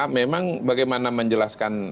memang bagaimana menjelaskan